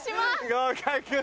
合格。